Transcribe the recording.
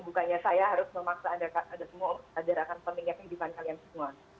bukannya saya harus memaksa anda semua untuk menjaga kehidupan kalian semua